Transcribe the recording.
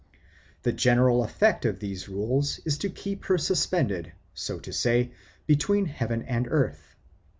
The general effect of these rules is to keep her suspended, so to say, between heaven and earth.